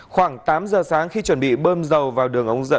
khoảng tám h sáng khi chuẩn bị bơm dầu vào đường công ty cục hàng